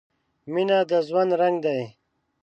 • مینه د ژوند رنګ دی.